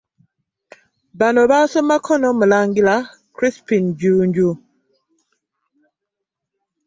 Bano baasomako n'omulangira Crispin Jjunju